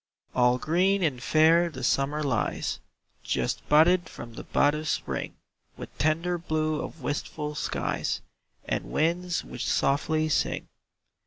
All green and fair the Summer lies, Just budded from the bud of Spring, With tender blue of wistful skies, And winds which softly sing.